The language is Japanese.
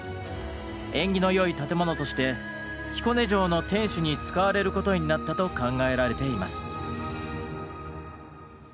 縁起の良い建物として彦根城の天守に使われることになったと考えられています。